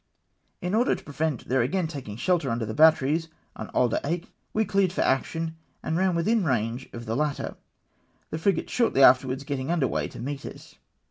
Li order to prevent their again taking shelter under the batteries on Isle d'Aix, we cleared for action and ran within range of the latter ; the frigate shortly afterwards getting under weigh to meet us.